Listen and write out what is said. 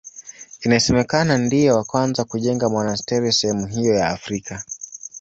Inasemekana ndiye wa kwanza kujenga monasteri sehemu hiyo ya Afrika.